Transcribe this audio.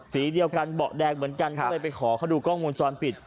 สีเดียวกันเบาะแดงเหมือนกันก็เลยไปขอเขาดูกล้องวงจรปิด